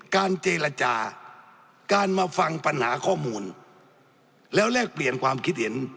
การเจรจาการมาฟังปัญหาข้อมูลแล้วแลกเปลี่ยนความคิดเห็น